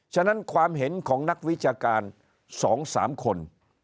ฉะนั้นความเห็นของนักวิชาการ๒๓คน